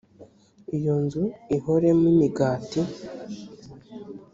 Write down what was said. iyo nzu ihoremo imigati